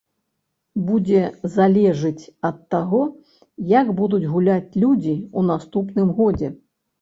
Будзе залежыць ад таго, як будуць гуляць людзі ў наступным годзе.